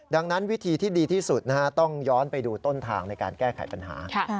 ดังนั้นวิธีที่ดีที่สุดต้องย้อนไปดูต้นทางในการแก้ไขปัญหา